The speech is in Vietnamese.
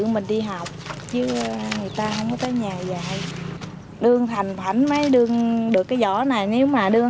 mình đi học chứ người ta không có tới nhà dạy đương thành thảnh mấy đương được cái vỏ này nếu mà đưa